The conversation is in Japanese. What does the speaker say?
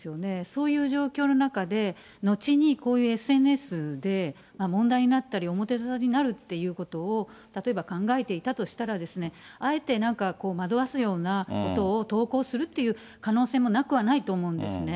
そういう状況の中で、後にこういうＳＮＳで問題になったり、表沙汰になるということを例えば考えていたとしたらですね、あえてなんか、惑わすようなことを投稿するっていう可能性もなくはないと思うんですね。